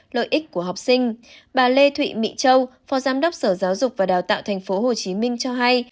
lợi ích của học sinh bà lê thụy mỹ châu phó giám đốc sở giáo dục và đào tạo tp hcm cho hay